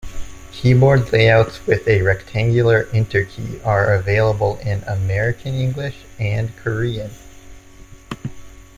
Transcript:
Keyboard layouts with a rectangular Enter key are available in American English and Korean.